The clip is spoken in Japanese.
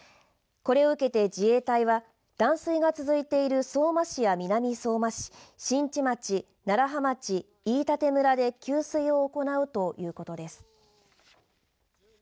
これを受けて自衛隊は断水が続いている相馬市や南相馬市新地町、楢葉町飯舘村で給水を行うということです。